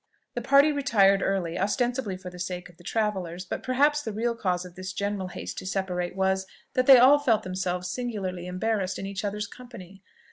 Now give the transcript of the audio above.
The party retired early, ostensibly for the sake of the travellers; but perhaps the real cause of this general haste to separate, was, that they all felt themselves singularly embarrassed in each other's company.